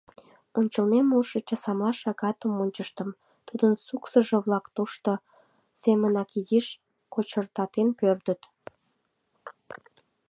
Ончылнем улшо часамла шагатым ончыштым, тудын суксыжо-влак тошто семынак изиш кочыртатен пӧрдыт.